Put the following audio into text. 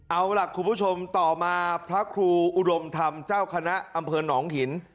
เอาล่ะคุณผู้ชมต่อมาพระครูอุดมธรรมเจ้าคณะอำเภอหนองหิน